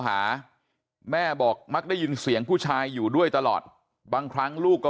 หาแม่บอกมักได้ยินเสียงผู้ชายอยู่ด้วยตลอดบางครั้งลูกก็